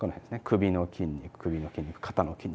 首の筋肉首の筋肉肩の筋肉。